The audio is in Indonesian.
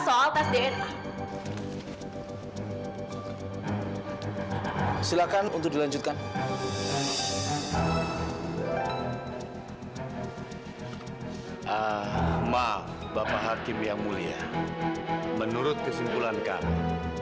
soal tes dna silakan untuk dilanjutkan maaf bapak hakim yang mulia menurut kesimpulan kamu